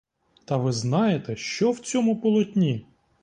Та ви знаєте, що в цьому полотні?